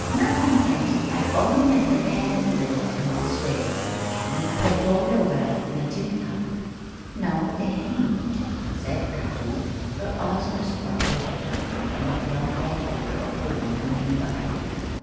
"Nothing, Patty. I only meant that they hadn't lived in Mrs. Whalen's kitchen and kept all their wealth in a tin cup." "No, they hain't," said Patty, her eyes on the sparkle of a diamond on the plump white finger of a woman near by.